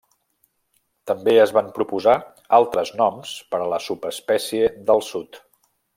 També es van proposar altres noms per a la subespècie del sud.